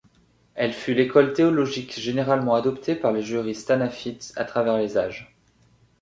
Elle fut l'école théologique généralement adoptée par les juristes Hanafites à travers les âges.